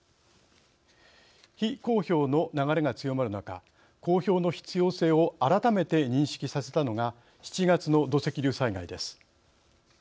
非公表の流れが強まる中公表の必要性を改めて認識させたのが７月の土石流災害です。